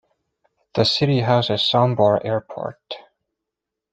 The city houses Sombor Airport.